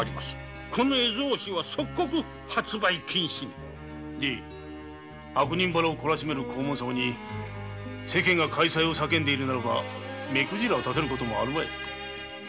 この絵草子は即刻発売禁止に悪人ばらを懲らしめる黄門様に世間が快さいを叫んでるなら目くじら立てる事もあるまい。